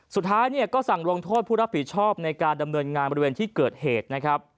สุดท้ายเนี่ยก็สั่งลงโทษผู้รับผิดชอบในการดำเนินงานบริเวณที่เกิดเหตุนะครับ